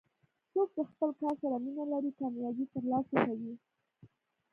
څوک چې خپل کار سره مینه لري، کامیابي ترلاسه کوي.